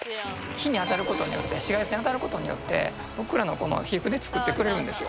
日に当たる事によって紫外線に当たる事によって僕らのこの皮膚で作ってくれるんですよ。